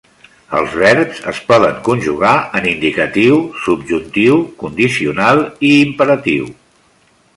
Els verbs es poden conjugar en indicatiu, subjuntiu, condicional i imperatiu.